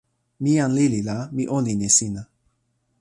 mi jan lili la mi olin e sina.